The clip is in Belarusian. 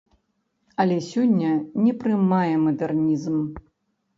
Але сёння не прымае мадэрнізм.